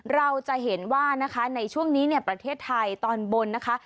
เราจะเห็นว่านะคะในช่วงนี้เนี่ยประเทศไทยตอนบนนะคะ